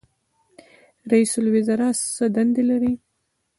رئیس الوزرا څه دندې لري؟